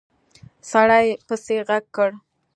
سړي پسې غږ کړ!